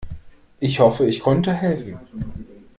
Ich hoffe, ich konnte helfen.